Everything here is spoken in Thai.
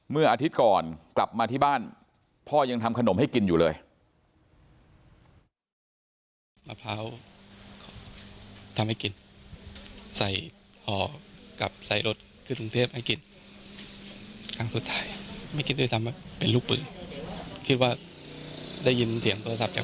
เมื่ออาทิตย์ก่อนกลับมาที่บ้านพ่อยังทำขนมให้กินอยู่เลย